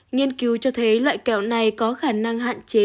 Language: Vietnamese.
nghiên cứu cho thấy loại kẹo này có khả năng hạn chế